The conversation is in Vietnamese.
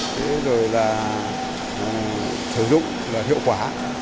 thế rồi là sử dụng là hiệu quả